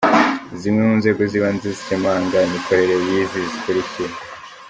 Zimwe mu nzego z’ibanze zikemanga imikorere y’izo zikuriye